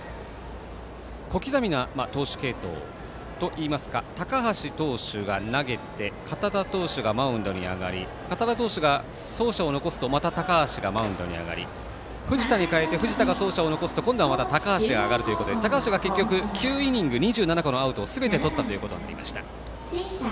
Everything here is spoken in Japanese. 小刻みな投手継投といいますか高橋投手が投げて堅田投手がマウンドに上がり堅田投手が走者を残すとまた高橋がマウンドに上がり藤田に代えて藤田が走者を残すと今度は高橋が上がるということで高橋が結局９イニング２７個のアウトをすべてとったということになりました。